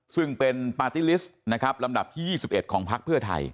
ซึ่งเป็นปาร์ตี้ลิสต์ลำดับที่๒๑ของภักดิ์เพื่อไทย